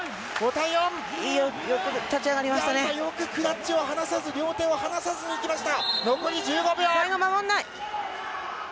よくクラッチを離さず両手離さずにいきました。